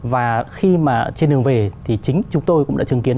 và khi mà trên đường về thì chính chúng tôi cũng đã chứng kiến